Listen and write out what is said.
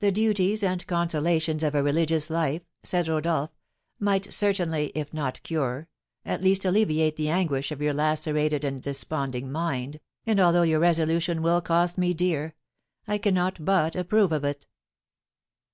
"The duties and consolations of a religious life," said Rodolph, "might, certainly, if not cure, at least alleviate the anguish of your lacerated and desponding mind, and although your resolution will cost me dear, I cannot but approve of it."